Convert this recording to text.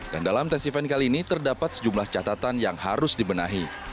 dan dalam tes event kali ini terdapat sejumlah catatan yang harus dibenahi